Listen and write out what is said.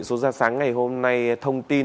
số ra sáng ngày hôm nay thông tin